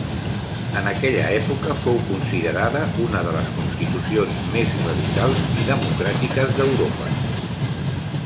En aquella època, fou considerada una de les constitucions més radicals i democràtiques d'Europa.